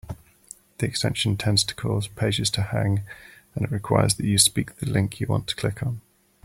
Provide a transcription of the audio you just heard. The extension tends to cause pages to hang, and it requires that you speak the link you want to click on.